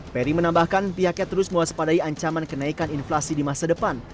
peri menambahkan pihaknya terus mewaspadai ancaman kenaikan inflasi di masa depan